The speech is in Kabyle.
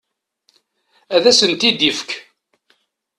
Ad asen-t-id-ifek.